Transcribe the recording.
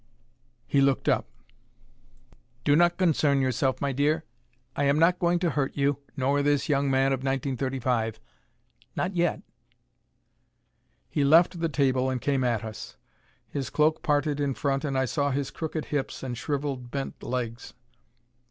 He looked up. "Do not concern yourself, my dear. I am not going to hurt you, nor this young man of 1935. Not yet." He left the table and came at us. His cloak parted in front and I saw his crooked hips, and shriveled bent legs.